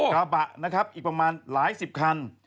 กระบะนะครับอีกประมาณหลายสิบคัน